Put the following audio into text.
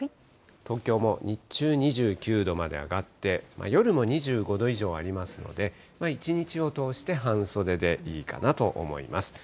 東京も日中２９度まで上がって、夜も２５度以上ありますので、一日を通して半袖でいいかなと思います。